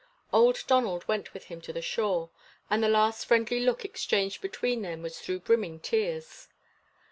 Old Donald went with him to the shore; and the last friendly look exchanged between them was through brimming tears.